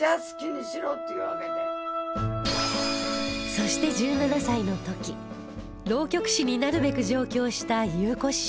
そして１７歳の時浪曲師になるべく上京した祐子師匠